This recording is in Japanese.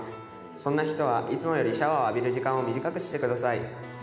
そんな人はいつもよりシャワーを浴びる時間を短くしてください。